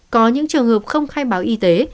có những trường hợp không khai báo y tế